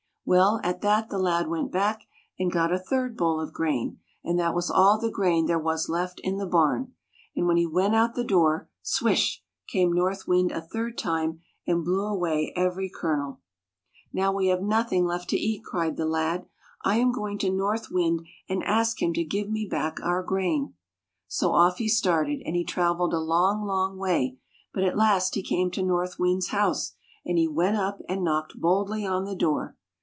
Well, at that the lad went back and got a third bowl of grain, and that was all the grain there was left in the barn. And when he went out the door — swish — came North Wind a third time, and blew away every kernel. " Now we have nothing left to eat," cried the lad. " I am going to North Wind and ask him to give me back our grain." So oiF he started, and he traveled a long, long way, but at last he came to North Wind's house, and he went up and knocked boldly on the door.